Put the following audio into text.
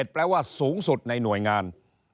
แปลว่าสูงสุดในหน่วยงาน